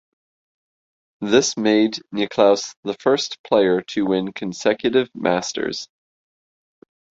This made Nicklaus the first player to win consecutive Masters.